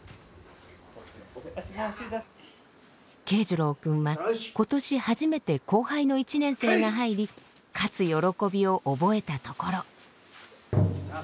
慶士郎君は今年初めて後輩の１年生が入り勝つ喜びを覚えたところ。